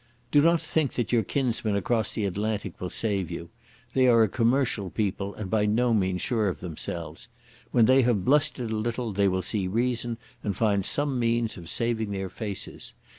Do not think that your kinsmen across the Atlantic will save you. They are a commercial people and by no means sure of themselves. When they have blustered a little they will see reason and find some means of saving their faces.